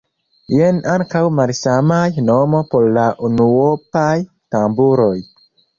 Jen ankaŭ malsamaj nomo por la unuopaj tamburoj.